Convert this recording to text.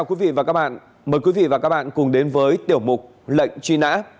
quý vị và các bạn mời quý vị và các bạn cùng đến với tiểu mục lệnh truy nã